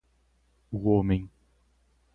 O homem